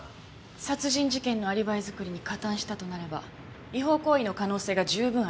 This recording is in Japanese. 殺人事件のアリバイ作りに加担したとなれば違法行為の可能性が十分あります。